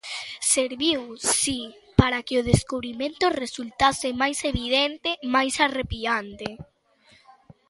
serviu, si, para que o descubrimento resultase máis evidente, máis arrepiante.